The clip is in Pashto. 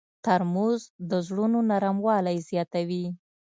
ترموز د زړونو نرموالی زیاتوي.